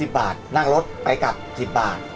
๑๐บาทนั่งรถไปกลับ๑๐บาท